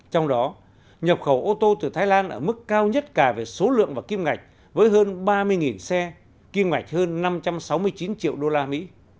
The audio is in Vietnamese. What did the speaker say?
trong đó nhập khẩu ô tô từ thái lan ở mức cao nhất cả về số lượng và kim ngạch với hơn ba mươi xe kim ngạch hơn năm trăm sáu mươi chín triệu đô la mỹ